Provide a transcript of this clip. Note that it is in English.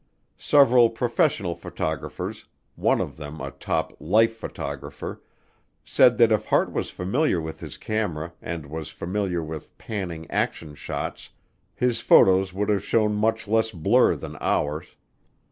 Several professional photographers, one of them a top Life photographer, said that if Hart was familiar with his camera and was familiar with panning action shots, his photos would have shown much less blur than ours.